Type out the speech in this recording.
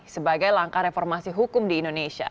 sebagai langkah reformasi hukum di indonesia